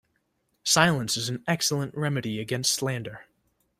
Silence is an excellent remedy against slander.